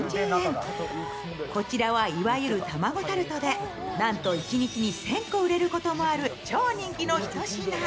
こちらはいわゆる卵タルトで、なんと一日に１０００個売れることもある超人気の一品。